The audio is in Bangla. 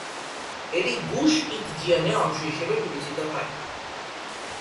এটি গুশ ইতজিয়ানের অংশ হিসেবে বিবেচিত হয়।